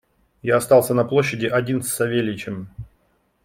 Я остался на площади один с Савельичем.